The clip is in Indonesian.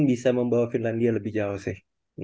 bisa membawa finlandia lebih jauh sih